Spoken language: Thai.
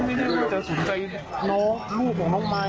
ไม่ได้ว่าจะสนใจน้องลูกของน้องมาย